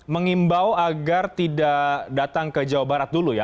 mengimbau agar tidak datang ke jawa barat dulu ya